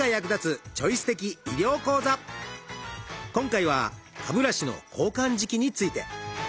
今回は歯ブラシの交換時期について。